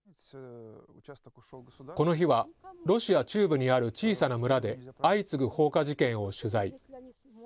この日は、ロシア中部にある小さな村で相次ぐ放火事件を取材。